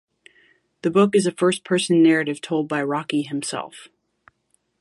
The book is a first-person narrative told by Rocky himself.